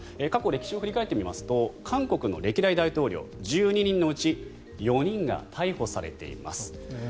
過去歴史を振り返ってみると韓国の歴代大統領１２人のうち４人が逮捕されています。